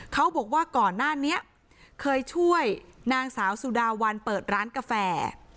เขาบอกว่าก่อนหน้านี้เคยช่วยนางสาวสุดาวันเปิดร้านกาแฟ